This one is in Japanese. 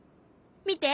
見て！